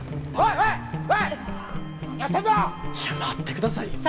いや待ってくださいよ。